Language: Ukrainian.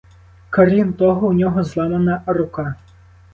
Крім того, у нього зламана рука.